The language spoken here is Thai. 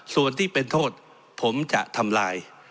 ส่วนที่เป็นโทษผมจะทำลาย